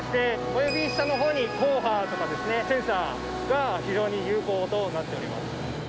および下のほうに光波とか、センサーが非常に有効となっております。